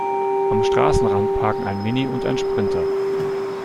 Am Straßenrand parken ein Mini und ein Sprinter.